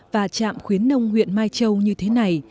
và trạm khuyến nông huyện mai châu như thế này